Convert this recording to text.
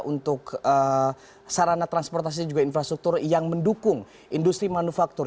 untuk sarana transportasi dan juga infrastruktur yang mendukung industri manufaktur